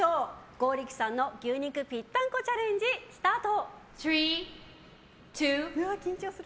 剛力さんの牛肉ぴったんこチャレンジスタート！